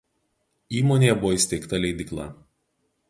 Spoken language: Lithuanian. Įmonėje buvo įsteigta leidykla.